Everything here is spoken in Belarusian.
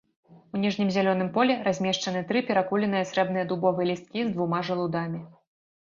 У ніжнім зялёным полі размешчаны тры перакуленыя срэбныя дубовыя лісткі з двума жалудамі.